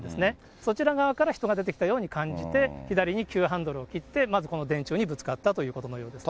そちら側から人が出てきたように感じて、左に急ハンドルを切って、まずこの電柱にぶつかったということですね。